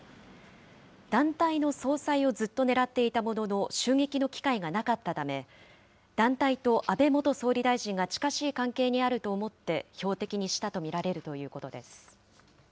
団体の総裁をずっと狙っていたものの、襲撃の機会がなかったため、団体と安倍元総理大臣が近しい関係にあると思って標的にしたと見られるということです。